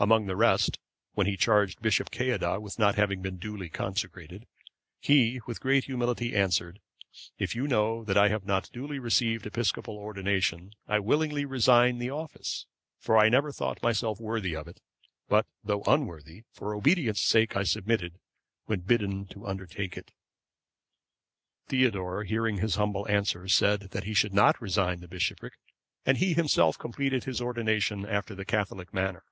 Among the rest, when he charged Bishop Ceadda with not having been duly consecrated,(539) he, with great humility, answered, "If you know that I have not duly received episcopal ordination, I willingly resign the office, for I never thought myself worthy of it; but, though unworthy, for obedience sake I submitted, when bidden to undertake it." Theodore, hearing his humble answer, said that he should not resign the bishopric, and he himself completed his ordination after the Catholic manner.